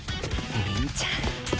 凛ちゃん。